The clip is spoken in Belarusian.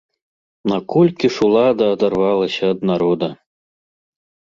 Наколькі ж улада адарвалася ад народа!